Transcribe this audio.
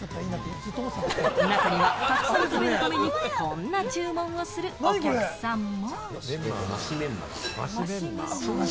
中には、たくさん食べるために、こんな注文をするお客さんも。